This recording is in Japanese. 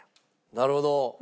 なるほど。